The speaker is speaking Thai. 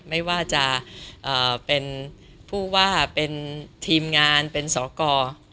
ไม่ว่าจะเป็นผู้ว่าเป็นทีมงานเป็นสอกร